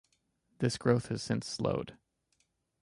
This growth has since slowed.